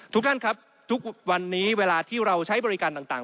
ทุกท่านครับทุกวันนี้เวลาที่เราใช้บริการต่าง